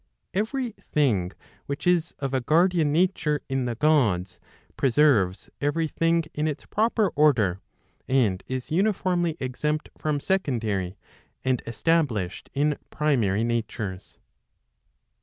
Every thing which is of a guardian nature in the Gods, preserves every thing in its proper order, and is uniformly exempt' from secondary, and established 1 in primary natures.